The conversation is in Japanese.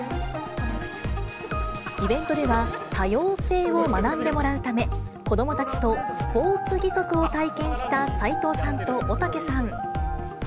イベントでは、多様性を学んでもらうため、子どもたちとスポーツ義足を体験した斉藤さんとおたけさん。